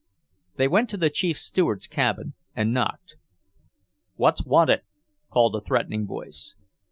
They went to the Chief Steward's cabin and knocked. "What's wanted?" called a threatening voice.